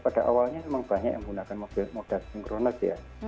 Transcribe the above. pada awalnya memang banyak yang menggunakan modul modul sinkronis ya